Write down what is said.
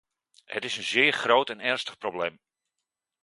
Het is een zeer groot en ernstig probleem.